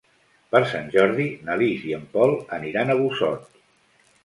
Per Sant Jordi na Lis i en Pol aniran a Busot.